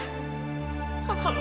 ibu maafkan evita ibu